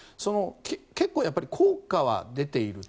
結構やっぱり効果は出ている。